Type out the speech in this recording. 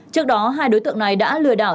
trước đó hai đối tượng này đã lừa đảo